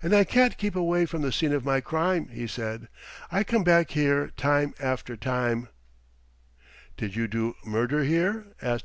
"And I can't keep away from the scene of my crime," he said. "I come back here time after time " "Did you do the murder here?" asked P.